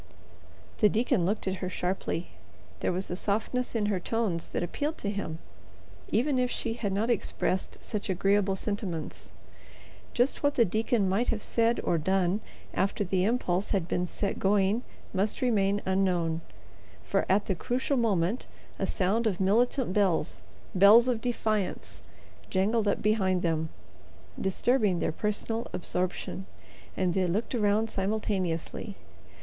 The deacon looked at her sharply. There was a softness in her tones that appealed to him, even if she had not expressed such agreeable sentiments. Just what the deacon might have said or done after the impulse had been set going must remain unknown, for at the crucial moment a sound of militant bells, bells of defiance, jangled up behind them, disturbing their personal absorption, and they looked around simultaneously.